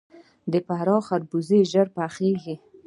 د فراه خربوزې ژر پخیږي.